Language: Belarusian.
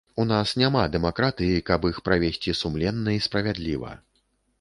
У нас няма дэмакратыі, каб іх правесці сумленна і справядліва.